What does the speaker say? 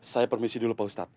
saya permisi dulu pak ustadz